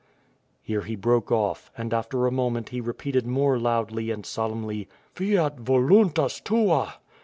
..." Here he broke off, and after a moment he repeated more loudly and solemnly: "... Fiat voluntas tua!